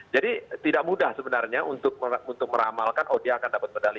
jadi tidak mudah sebenarnya untuk meramalkan oh dia akan dapat medali empat